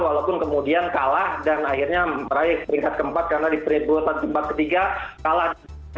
walaupun kemudian kalah dan akhirnya meraih keringkat ke empat karena di perintah ke tiga kalah